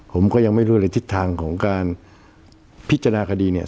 ผมก็ยังไม่รู้เลยทิศทางของการพิจารณาคดีเนี่ย